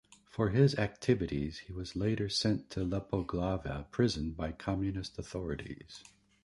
For his activities he was later sent to Lepoglava prison by Communist authorities.